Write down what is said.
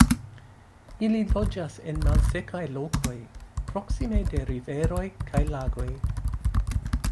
Ili loĝas en malsekaj lokoj proksime de riveroj kaj lagoj.